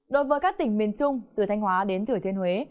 đối với các tỉnh miền trung từ thanh hóa đến thừa thiên huế